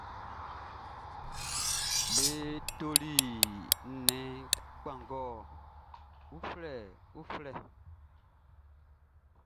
Be toli nnɛn kpanngɔ ufue uflɛ.